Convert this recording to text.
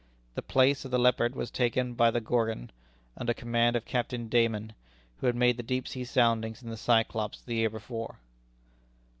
The place of the Leopard was taken by the Gorgon, under command of Captain Dayman, who had made the deep sea soundings in the Cyclops the year before.